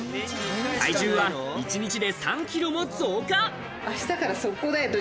体重は１日で３キロも増加。